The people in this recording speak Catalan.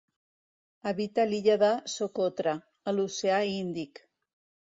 Habita l'illa de Socotra, a l'Oceà Índic.